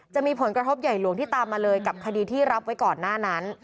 จะมีผลกระทบใหญ่หลวงที่ตามมาเลยกับคดีที่รับไว้ก่อนหน้านั้น